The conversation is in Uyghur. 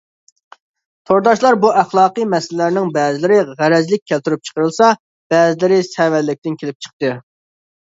تورداشلار بۇ ئەخلاقىي مەسىلىلەرنىڭ بەزىلىرى غەرەزلىك كەلتۈرۈپ چىقىرىلسا، بەزىلىرى سەۋەنلىكتىن كېلىپ چىقتى.